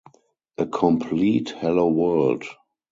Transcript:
A complete Hello, world!